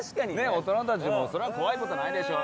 大人たちもそりゃ怖い事はないでしょう。